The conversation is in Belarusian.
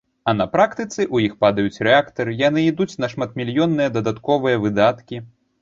А на практыцы ў іх падаюць рэактары, яны ідуць на шматмільённыя дадатковыя выдаткі.